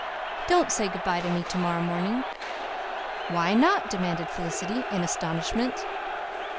Don't say good bye to me tomorrow morning." "Why not?" demanded Felicity in astonishment.